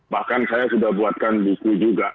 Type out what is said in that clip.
bahkan saya sudah buatkan di sini juga